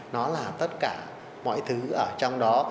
nó là tất cả mọi thứ ở trong đó